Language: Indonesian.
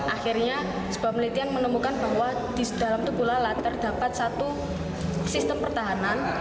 akhirnya sebuah penelitian menemukan bahwa di dalam tubuh lalat terdapat satu sistem pertahanan